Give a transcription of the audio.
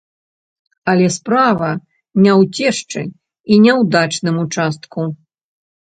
Але справа не ў цешчы і не ў дачным участку.